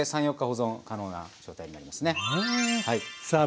保存可能な状態になりますね。